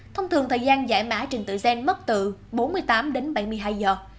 thông thường thời gian giải mã trình tự gen mất từ bốn mươi tám đến bảy mươi hai giờ